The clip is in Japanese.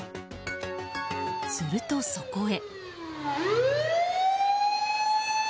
すると、そこへ。